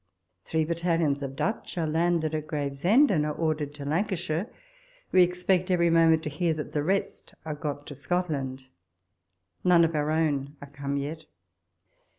Three battalions of Dutch are landed at Gravesend, and are ordered to Lancashire : we expect every moment to hear that the rest are got to Scotland ; none of our own are come yet.